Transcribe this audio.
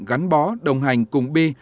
gắn bó đồng hành cùng b bi